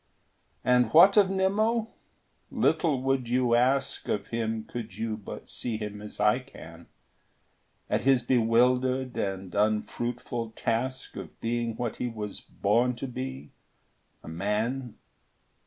And what of Nimmo? Little would you ask Of him, could you but see him as I can, At his bewildered and unfruitful task Of being what he was born to be a man.